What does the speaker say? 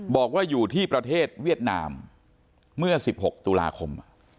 บอกว่าอยู่ที่ประเทศเวียดนามเมื่อ๑๖ตุลาคม